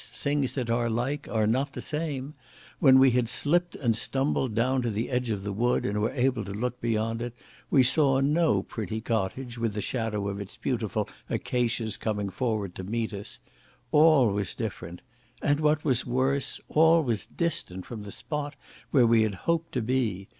things that are like are not the same; when we had slipped and stumbled down to the edge of the wood, and were able to look beyond it, we saw no pretty cottage with the shadow of its beautiful acacias coming forward to meet us: all was different; and, what was worse, all was distant from the spot where we had hoped to be.